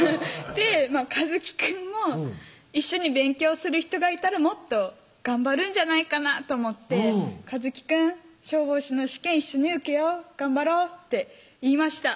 一紀くんも一緒に勉強する人がいたらもっと頑張るんじゃないかなと思って「一紀くん消防士の試験一緒に受けよう」「頑張ろう」って言いました